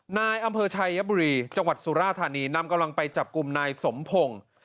นายอำเภอชัยบุรีจังหวัดสุราธานีนำกำลังไปจับกลุ่มนายสมพงศ์